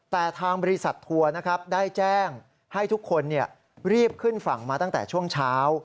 แต่ทางบริษัททัวร์นะครับได้แจ้งให้ทุกคนรีบขึ้นฝั่งมาตั้งแต่ช่วงเช้า